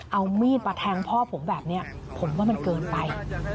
เอามีดมาแทงพ่อผมแบบนี้ผมว่ามันเกินไป